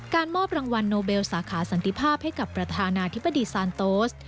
มอบรางวัลโนเบลสาขาสันติภาพให้กับประธานาธิบดีซานโตส